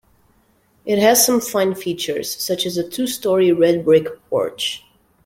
It has some fine features such as a two-storey red brick porch.